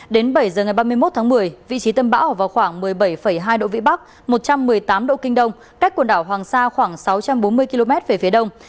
đến bảy h ngày ba mươi một tháng một mươi vị trí tâm bão ở vào khoảng một mươi bảy hai độ vĩ bắc một trăm một mươi tám độ kinh đông cách quần đảo hoàng sa khoảng sáu trăm bốn mươi km về phía đông